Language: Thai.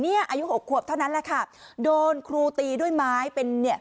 อายุหกขวบเท่านั้นแหละค่ะโดนครูตีด้วยไม้เป็นเนี่ย